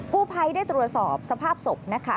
ผู้ภัยได้ตรวจสอบสภาพศพนะคะ